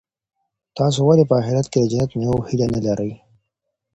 تاسي ولي په اخیرت کي د جنت د مېوو هیله نه لرئ؟